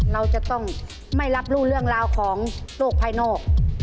เราจะต้องไม่รับรู้เรื่องราวของโลกภายนอก